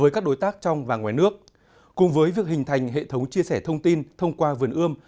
cùng với việc hình thành hệ thống chia sẻ thông tin thông qua vườn ươm